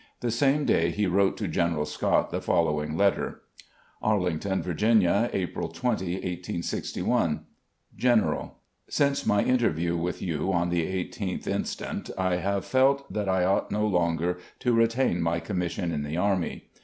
The same day he wrote to General Scott the following letter: "Arlington, Virginia, April 20, 1861. "General: Since my interview wdth you on the i8th inst. I have felt that I ought no longer to retain my commission in the Army.